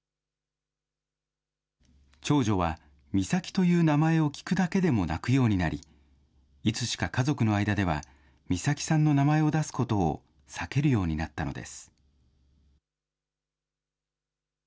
長女は、美咲という名前を聞くだけでも泣くようになり、いつしか家族の間では、美咲さんの名前を出すことを避けるようになったのです。